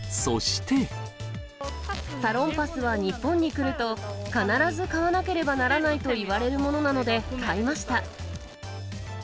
サロンパスは日本に来ると、必ず買わなければならないと言われるものなので、買いました。